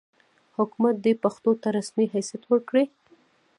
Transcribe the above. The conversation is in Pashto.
حکومت دې پښتو ته رسمي حیثیت ورکړي.